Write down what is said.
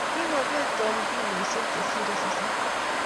Kokobet Tom kiloisiek chesirei sosom